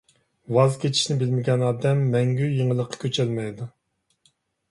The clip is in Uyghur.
ۋاز كېچىشنى بىلمىگەن ئادەم مەڭگۈ يېڭىلىققا كۆچەلمەيدۇ.